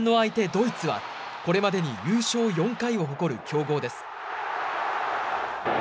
ドイツは、これまでに優勝４回を誇る強豪です。